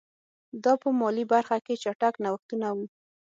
دا په مالي برخه کې چټک نوښتونه وو.